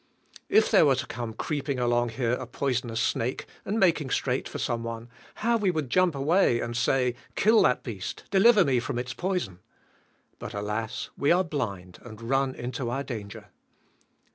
If there were to come creeping along here a poisonous snake and making straight for some one, how we would jump away and say, "Kill that beast, deliver me from its poison." But alas, we are blind and run into our danger.